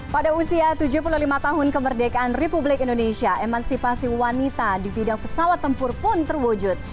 pada usia tujuh puluh lima tahun kemerdekaan republik indonesia emansipasi wanita di bidang pesawat tempur pun terwujud